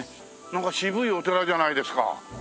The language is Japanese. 渋いお寺じゃないですか。